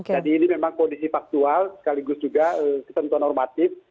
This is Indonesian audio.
jadi ini memang kondisi faktual sekaligus juga tentu normatif